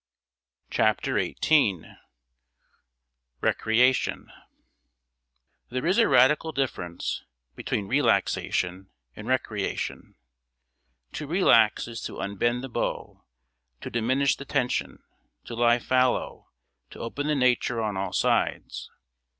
Chapter XVIII Recreation There is a radical difference between relaxation and recreation. To relax is to unbend the bow, to diminish the tension, to lie fallow, to open the nature on all sides.